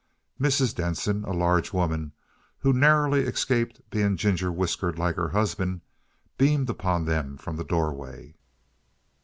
Mrs. Denson, a large woman who narrowly escaped being ginger whiskered like her husband, beamed upon them from the doorway.